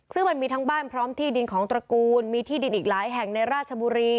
ซึ่งมันมีทั้งบ้านพร้อมที่ดินของตระกูลมีที่ดินอีกหลายแห่งในราชบุรี